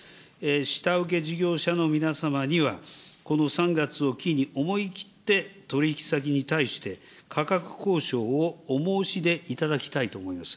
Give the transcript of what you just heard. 下請け事業者の皆様には、この３月を機に思い切って取り引き先に対して、価格交渉をお申し出いただきたいと思います。